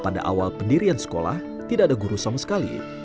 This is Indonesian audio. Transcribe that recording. pada awal pendirian sekolah tidak ada guru sama sekali